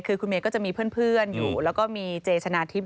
คือคุณเมย์ก็จะมีเพื่อนอยู่แล้วก็มีเจชนะทิพย